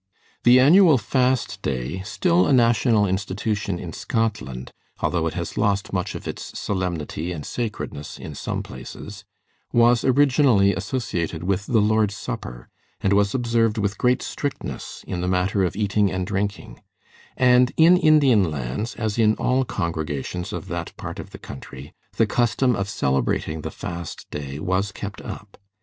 The annual Fast Day, still a national institution in Scotland, although it has lost much of its solemnity and sacredness in some places, was originally associated with the Lord's Supper, and was observed with great strictness in the matter of eating and drinking; and in Indian Lands, as in all congregations of that part of the country, the custom of celebrating the Fast Day was kept up.